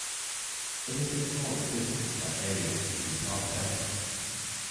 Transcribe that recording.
It is the smallest district by area in Uttar Pradesh.